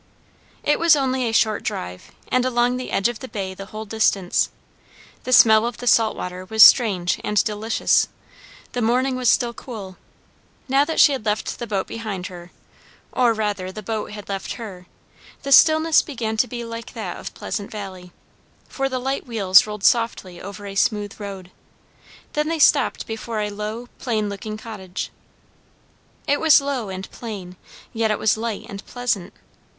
It was only a short drive, and along the edge of the bay the whole distance. The smell of the salt water was strange and delicious. The morning was still cool. Now that she had left the boat behind her, or rather the boat had left her, the stillness began to be like that of Pleasant Valley; for the light wheels rolled softly over a smooth road. Then they stopped before a low, plain looking cottage. It was low and plain, yet it was light and pleasant.